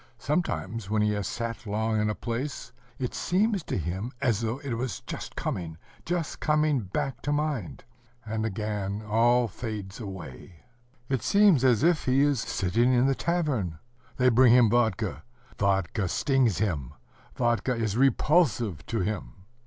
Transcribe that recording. Sometimes when he has sat long in a place, it seems to him as though it were coming, just coming back to mind, ... and again all fades away. It seems as if he is sitting in the tavern: they bring him vodka; vodka stings him; vodka is repulsive to him.